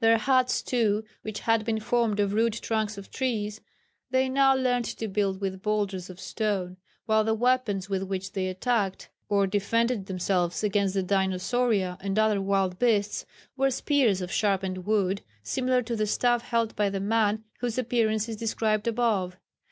Their huts, too, which had been formed of rude trunks of trees, they now learnt to build with boulders of stone, while the weapons with which they attacked, or defended themselves against the Dinosauria and other wild beasts, were spears of sharpened wood, similar to the staff held by the man whose appearance is described above.